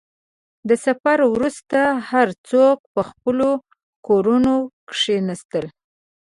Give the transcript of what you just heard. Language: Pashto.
• د سفر وروسته، هر څوک په خپلو کورونو کښېناستل.